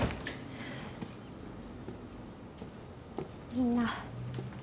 みんな。